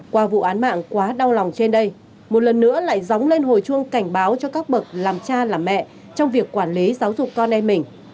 qua vụ án mạng quá đau lòng trên đây một lần nữa lại dóng lên hồi chuông cảnh báo cho các bậc làm cha làm mẹ trong việc quản lý giáo dục con em mình